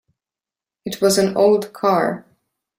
It was an old car.